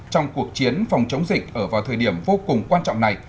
trong cuộc chiến phòng chống dịch ở vào thời điểm vô cùng quan trọng này